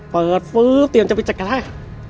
ฟื้อเตรียมจะไปจัดการให้